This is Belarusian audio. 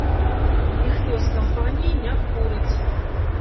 Ніхто з кампаніі не курыць.